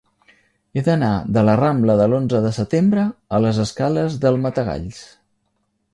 He d'anar de la rambla de l'Onze de Setembre a les escales del Matagalls.